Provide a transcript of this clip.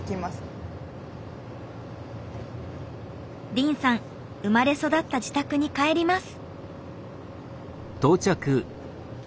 凜さん生まれ育った自宅に帰ります。